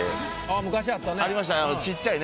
あっ昔あったね。